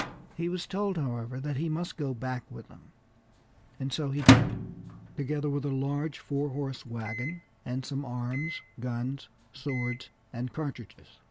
He was told, however, that he must go back with them; and so he did, together with a large four horse wagon and some arms, guns, swords, and cartridges.